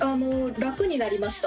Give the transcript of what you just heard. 楽になりました。